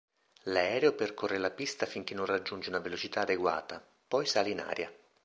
L'aereo percorre la pista finché non raggiunge una velocità adeguata, poi sale in aria.